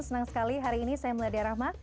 senang sekali hari ini saya meladya rahma